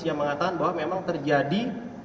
yang mengatakan bahwa memang terjadi